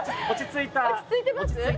落ち着いてます？